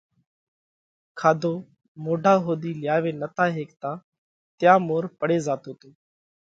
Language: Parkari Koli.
کاڌو مونڍا ۿُوڌِي لياوي نتا هيڪتا تيا مور پڙي زاتو تو۔